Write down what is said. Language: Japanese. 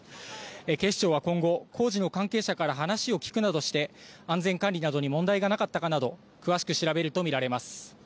警視庁は今後、工事の関係者から話を聞くなどして安全管理などに問題がなかったかなど詳しく調べると見られます。